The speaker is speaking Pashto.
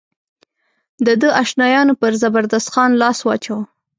د ده اشنایانو پر زبردست خان لاس واچاوه.